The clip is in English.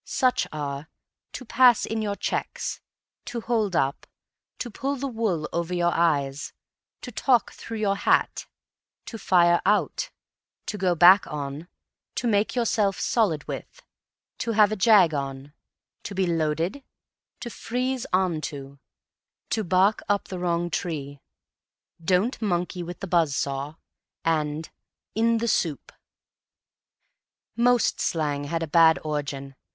Such are "to pass in your checks," "to hold up," "to pull the wool over your eyes," "to talk through your hat," "to fire out," "to go back on," "to make yourself solid with," "to have a jag on," "to be loaded," "to freeze on to," "to bark up the wrong tree," "don't monkey with the buzz saw," and "in the soup." Most slang had a bad origin.